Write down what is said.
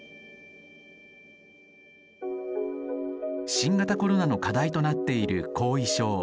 新型コロナの課題となっている後遺症。